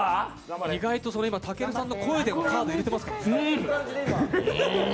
意外とたけるさんの声でカード揺れてますからね。